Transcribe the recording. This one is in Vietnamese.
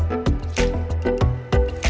anh chào anh